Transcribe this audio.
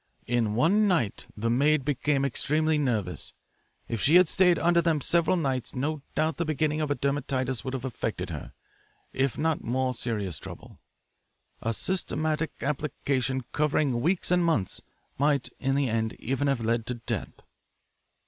In one night the maid became extremely nervous. If she had stayed under them several nights no doubt the beginning of a dermatitis would have affected her, if not more serious trouble. A systematic application, covering weeks and months, might in the end even have led to death.